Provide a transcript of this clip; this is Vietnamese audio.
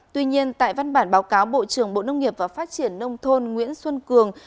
tuy nhiên tại văn bản báo cáo bộ trưởng bộ nông nghiệp và phát triển nông thôn nguyễn xuân cường